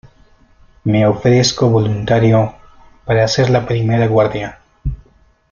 me ofrezco voluntario para hacer la primera guardia.